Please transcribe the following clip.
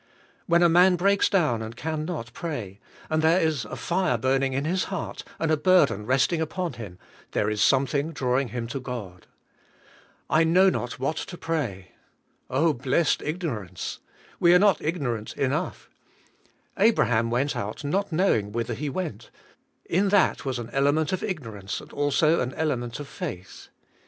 '' When a man breaks down and can not pray, and there is a fire burning in his heart, and a burden resting upon him, there is something drawing him to God." I know not what 158 THE SO URGE OF PO WER IN PR A YER to pray," — oh, blessed ignorance! We are not ignorant enough. Abraham went out not knowing whither he went; in that was an elenrjent of ignor ance and also an element of faith.